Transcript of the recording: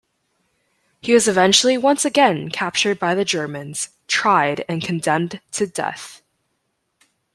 He was eventually once again captured by the Germans, tried and condemned to death.